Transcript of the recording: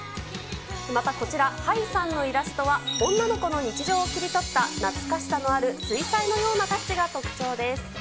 またこちら、ＨＡＩさんのイラストは、女の子の日常を切り取った、懐かしさのある水彩のようなタッチが特徴です。